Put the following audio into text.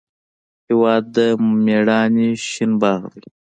هېواد د میړانې شین باغ دی.